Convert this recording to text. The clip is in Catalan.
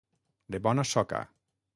De bona soca.